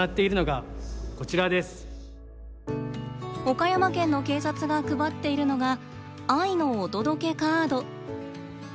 岡山県の警察が配っているのが「愛のお届けカード」。